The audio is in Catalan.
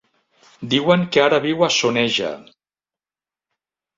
Diuen que ara viu a Soneja.